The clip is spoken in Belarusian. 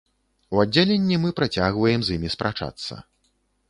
У аддзяленні мы працягваем з імі спрачацца.